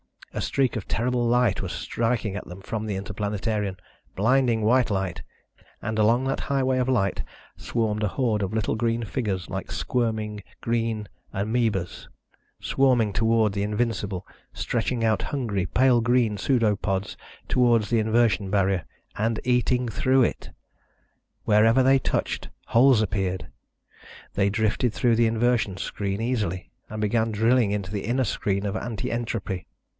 A streak of terrible light was striking at them from the Interplanetarian, blinding white light, and along that highway of light swarmed a horde of little green figures, like squirming green amebas. Swarming toward the Invincible, stretching out hungry, pale green pseudopods toward the inversion barrier ... and eating through it! Wherever they touched, holes appeared. They drifted through the inversion screen easily and began drilling into the inner screen of anti entropy.